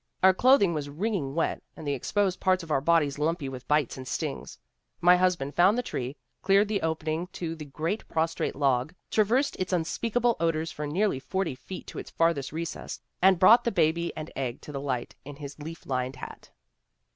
Our clothing was wringing wet, and the exposed parts of our bodies lumpy with bites and stings. My husband found the tree, cleared the opening to the great prostrate log, traversed its unspeakable odors for nearly forty feet to its farthest recess, and brought the baby and egg to the light in his leaf lined hat.